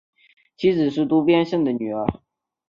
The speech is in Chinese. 妻子是渡边胜的女儿。